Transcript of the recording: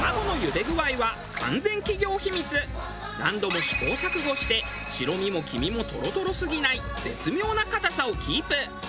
何度も試行錯誤して白身も黄身もトロトロすぎない絶妙な硬さをキープ。